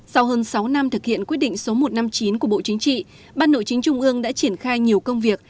sau hơn sáu năm thực hiện quyết định số một trăm năm mươi chín của bộ chính trị ban nội chính trung ương đã triển khai nhiều công việc